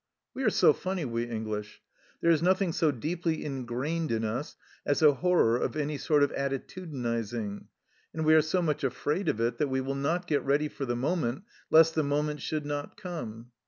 We are so funny, we English ; there is nothing so deeply ingrained in us as a horror of any sort of attitu dinizing, and we are so much afraid of it that we will not get ready for the moment lest the mo ment should not come.